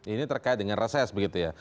ini terkait dengan reses begitu ya